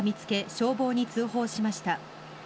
消防に通報しました。